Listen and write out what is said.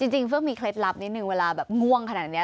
เฟืองมีเคล็ดลับนิดนึงเวลาแบบง่วงขนาดนี้